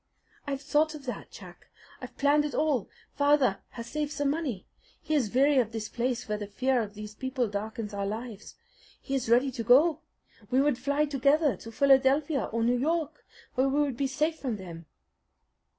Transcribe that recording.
"I've thought of that, Jack. I've planned it all. Father has saved some money. He is weary of this place where the fear of these people darkens our lives. He is ready to go. We would fly together to Philadelphia or New York, where we would be safe from them."